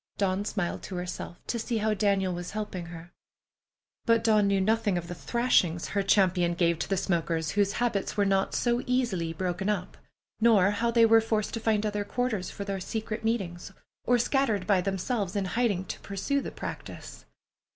Dawn smiled to herself to see how Daniel was helping her. But Dawn knew nothing of the thrashings her champion gave to the smokers whose habits were not easily broken up, nor how they were forced to find other quarters for their secret meetings, or scatter by themselves in hiding to pursue the practice.